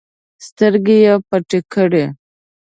سترګې يې پټې کړې.